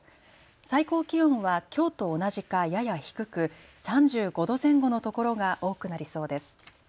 最高気温はきょうと同じかやや低く３５度前後のところが多くなりそうです。